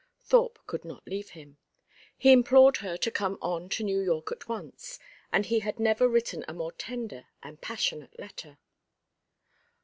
Thorpe could not leave him. He implored her to come on to New York at once; and he had never written a more tender and passionate letter.